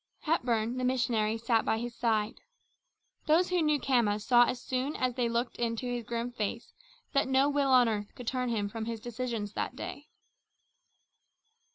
Hepburn, the missionary, sat by his side. Those who knew Khama saw as soon as they looked into his grim face that no will on earth could turn him from his decisions that day.